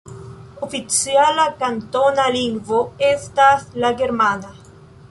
Oficiala kantona lingvo estas la germana.